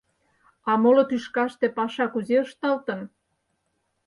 А моло тӱшкаште паша кузе ышталтын?